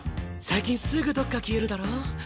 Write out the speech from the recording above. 最近すぐどっか消えるだろ？